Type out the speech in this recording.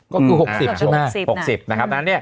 ก็คือ๖๐นะครับ